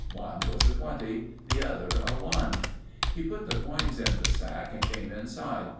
One was a twenty. The other, a one. He put the coins in the sack and came inside.